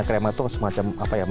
krema itu semacam apa ya